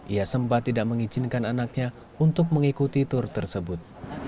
ia sempat tidak mengizinkan anaknya untuk mengikuti tur tersebut